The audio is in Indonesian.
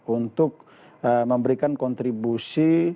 untuk memberikan kontribusi